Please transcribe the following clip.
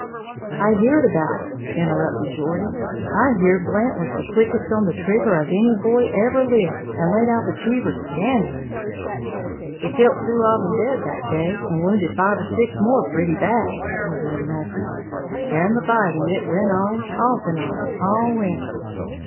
"I heared about it," interrupted Geordie, "I heared Blant was the quickest on the trigger of any boy ever lived, and laid out the Cheevers scandlous." "He kilt two of 'em dead that day, and wounded five or six more pretty bad," resumed Nucky, "and the fighting it went on, off and on, all winter.